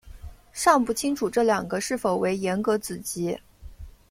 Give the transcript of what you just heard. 尚不清楚这两个是否为严格子集。